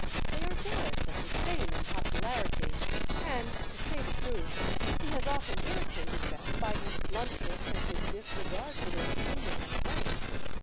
They are jealous of his fame and popularity, and, to say the truth, he has often irritated them, by his bluntness and his disregard for their opinion and rank.